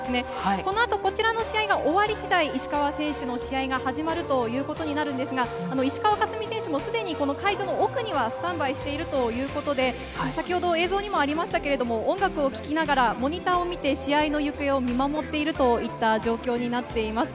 このあと、こちらの試合が終わりしだい、石川選手の試合が始まるということになるんですが、石川佳純選手、もうすでにこの会場の奥にはスタンバイしているということで、先ほど映像にもありましたけれども、音楽を聴きながら、モニターを見て、試合の行方を見守っているといった状況になっています。